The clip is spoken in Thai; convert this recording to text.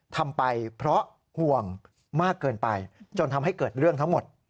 ทำไปเพราะห่วงมากเกินไปจนทำให้เกิดเรื่องทั้งหมด